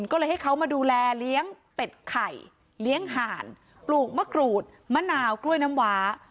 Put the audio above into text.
ก็เลยให้เขามาดูแลเลี้ยงเป็ดไข่เลี้ยงห่านปลูกมะกรูดมะนาวกล้วยน้ำว้า